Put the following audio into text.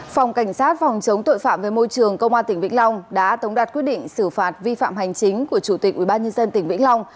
phòng cảnh sát phòng chống tội phạm với môi trường công an tỉnh vĩnh long đã tống đạt quyết định xử phạt vi phạm hành chính của chủ tịch ubnd tỉnh vĩnh long